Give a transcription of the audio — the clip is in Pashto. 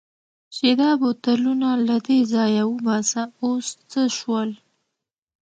چې دا بوتلونه له دې ځایه وباسه، اوس څه شول؟